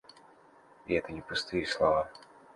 И это не пустые слова.